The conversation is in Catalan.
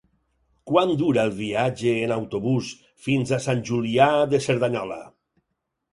Quant dura el viatge en autobús fins a Sant Julià de Cerdanyola?